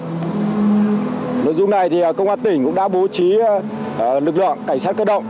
nội dung này thì công an tỉnh cũng đã bố trí lực lượng cảnh sát cơ động